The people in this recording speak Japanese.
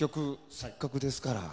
せっかくですから。